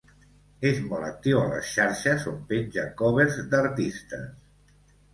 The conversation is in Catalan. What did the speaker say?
És molt actiu a les xarxes on penja covers d'artistes.